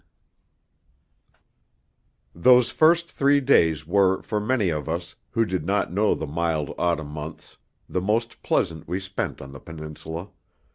II Those first three days were for many of us, who did not know the mild autumn months, the most pleasant we spent on the Peninsula.